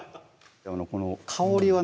この香りはね